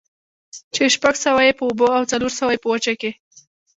چې شپږ سوه ئې په اوبو كي او څلور سوه ئې په وچه كي